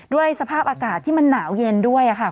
สภาพอากาศที่มันหนาวเย็นด้วย